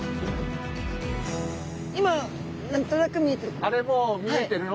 今何となく見えてるのが。